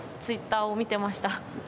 ツイッターを見てました。